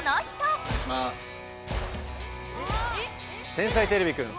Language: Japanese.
「天才てれびくん」